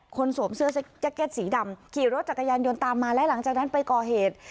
สวมเสื้อแจ็คเก็ตสีดำขี่รถจักรยานยนต์ตามมาและหลังจากนั้นไปก่อเหตุ